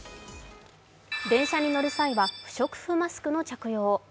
電車に乗る際は不織布マスクの着用を。